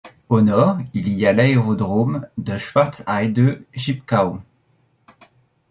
Au nord, il y a l'aérodrome de Schwarzheide-Schipkau.